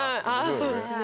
そうですね。